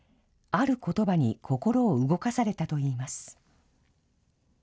あることばに心を動かされたといいます。